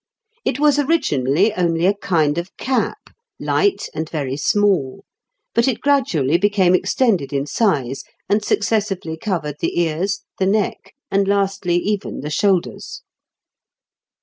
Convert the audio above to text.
It was originally only a kind of cap, light and very small; but it gradually became extended in size, and successively covered the ears, the neck, and lastly even the shoulders.